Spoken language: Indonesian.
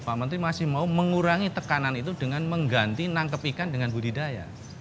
pak menteri masih mau mengurangi tekanan itu dengan mengganti nangkep ikan dengan budidaya